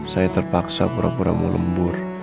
saya terpaksa pura pura mau lembur